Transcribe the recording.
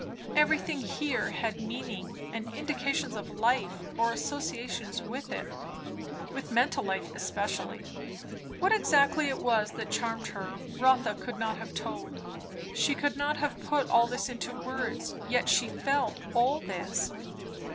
Everything here had meaning, and indications of life, or associations with it; with mental life especially. What exactly it was that charmed her, Rotha could not have told; she could not have put all this into words; yet she felt all this.